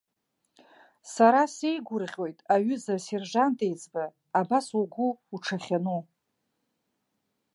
Сара сеигәырӷьоит, аҩыза асержант еиҵбы, абас угәы уҽахьану.